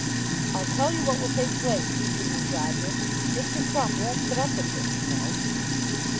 "I'll tell you what will take place," continued Roger. "Mr. Crumb won't put up with this you know."